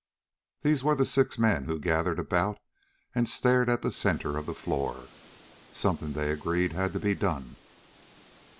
These were the six men who gathered about and stared at the center of the floor. Something, they agreed, had to be done.